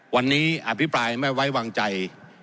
วันนี้อภิปรายไม่ไว้วางใจ